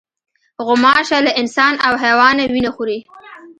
غوماشه له انسان او حیوانه وینه خوري.